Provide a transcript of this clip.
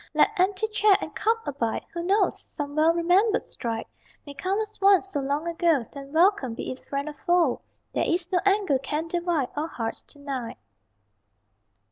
Let empty chair and cup abide! Who knows? Some well remembered stride May come as once so long ago Then welcome, be it friend or foe! There is no anger can divide Our hearts to night.